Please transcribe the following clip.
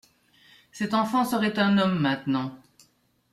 Cet enfant serait un homme maintenant.